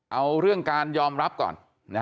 เอาเรื่องการยอมรับก่อน